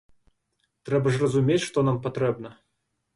Трэба ж разумець, што нам патрэбна.